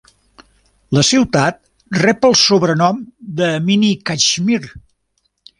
La ciutat rep el sobrenom de mini Kashmir.